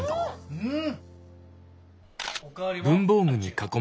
うん。